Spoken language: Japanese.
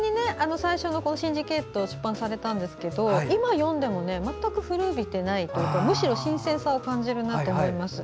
最初の「シンジケート」を出版されたんですけど今読んでも全く古びてないというかむしろ新鮮さを感じると思います。